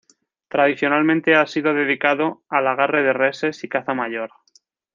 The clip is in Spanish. Tradicionalmente ha sido dedicado al agarre de reses y caza mayor.